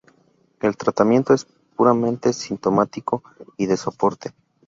El tratamiento es puramente sintomático y de soporte.